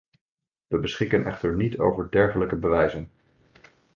We beschikken echter niet over dergelijke bewijzen.